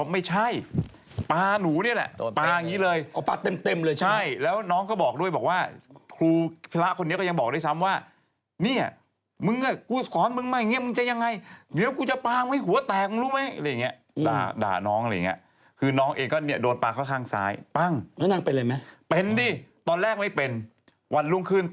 ไปอยู่พนมสันพฤติวันสองนี้ไปดูย่าที่ดำเลี้ยงเป็ดทุกวัน